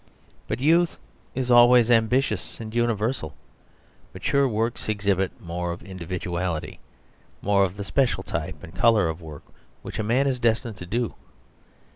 But youth is always ambitious and universal; mature work exhibits more of individuality, more of the special type and colour of work which a man is destined to do.